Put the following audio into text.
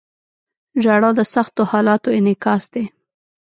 • ژړا د سختو حالاتو انعکاس دی.